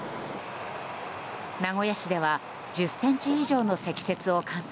名古屋市では１０ｃｍ以上の積雪を観測。